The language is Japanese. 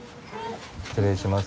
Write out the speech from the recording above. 失礼します。